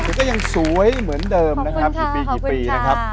แต่จะยังสวยเหมือนเดิมนะครับอีกปีนะครับ